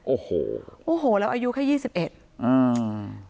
โอ้โหโอ้โหแล้วอายุแค่ยี่สิบเอ็ดอืม